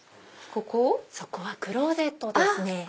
そこはクローゼットですね。